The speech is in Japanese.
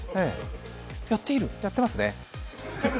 やってますね。